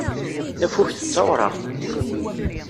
Tafukt d tawraɣt.